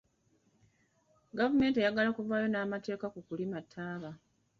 Gavumenti eyagala kuvaayo n'amateeka ku kulima ttaaba.